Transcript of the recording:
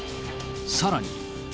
さらに。